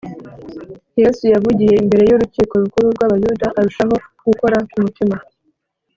Yesu yavugiye imbere y’Urukiko Rukuru rw’Abayuda arushaho gukora ku mutima